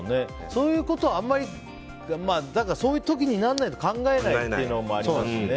そういうことをあまりそういう時にならないと考えないってのもありますしね。